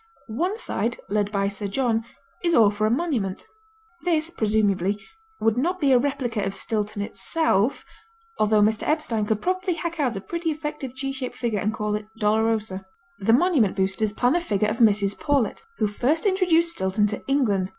One side, led by Sir John, is all for a monument. This, presumably, would not be a replica of Stilton itself, although Mr. Epstein could probably hack out a pretty effective cheese shaped figure and call it "Dolorosa." The monument boosters plan a figure of Mrs. Paulet, who first introduced Stilton to England.